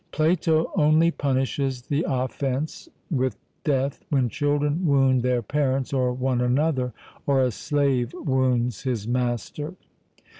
Plato only punishes the offence with death when children wound their parents or one another, or a slave wounds his master.